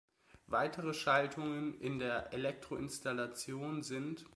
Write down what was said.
Weitere Schaltungen in der Elektroinstallation sind